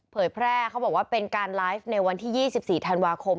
แพร่เขาบอกว่าเป็นการไลฟ์ในวันที่๒๔ธันวาคม